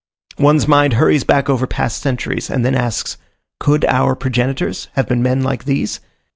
One's mind hurries back over past centuries, and then asks, could our progenitors have been men like these?